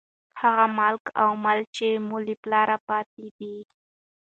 هغه ملک او مال، چې مو له پلاره پاتې دى.